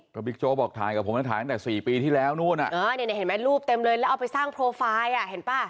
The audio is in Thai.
ก็บิ๊กโจ๊กบอกถ่ายกับผมแล้วถ่ายตั้งแต่สี่ปีที่แล้วนู่นน่ะ